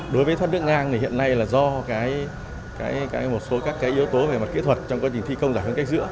đối với thoát nước ngang thì hiện nay là do một số các yếu tố về mặt kỹ thuật trong quá trình thi công giải ngân cách giữa